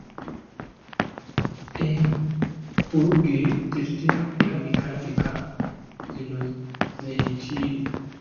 Enkulugge tezitera kulabikalabika, zino ze nki?